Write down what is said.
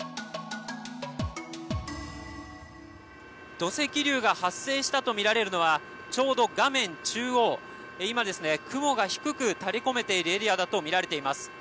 土石流が発生したとみられるのはちょうど画面中央今、雲が低く垂れこめているエリアだとみられています。